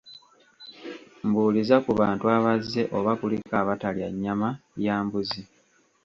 Mbuuliza ku bantu abazze oba kuliko abatalya nnyama ya mbuzi.